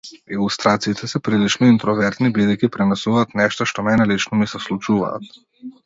Илустрациите се прилично интровертни бидејќи пренесуваат нешта што мене лично ми се случуваат.